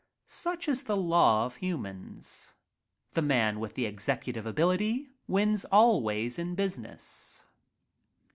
Such is the law of humans. The man with the executive ability wins always in business.